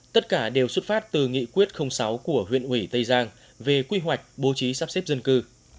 tất cả đều xuất phát từ nghị quyết sáu của huyện ủy tây giang về quy hoạch bố trí sắp xếp dân cư